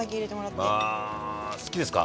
まあ好きですか？